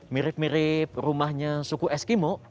mirip mirip rumahnya suku eskimo